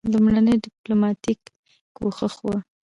لومړنی ډیپلوماټیک کوښښ وو.